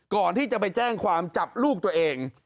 ก่อนที่จะไปแจ้งความจับลูกตัวเอง